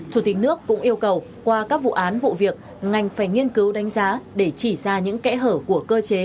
chủ tịch nước cũng yêu cầu qua các vụ án vụ việc ngành phải nghiên cứu đánh giá để chỉ ra những kẽ hở của cơ chế